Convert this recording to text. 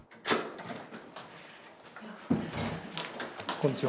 こんにちは。